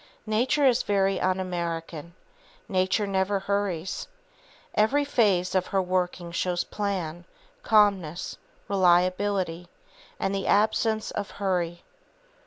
Nature is very un American. Nature never hurries. Every phase of her working shows plan, calmness, reliability, and the absence of hurry.